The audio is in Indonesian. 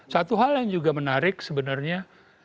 satu hal yang juga menarik sebenarnya